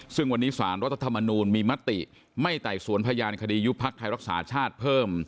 ซึ่งวันนี้สารรัฐธรรมนูลมีมติไม่ไต่สวนพยานคดียุบพักไทยรักษาชาติเพิ่ม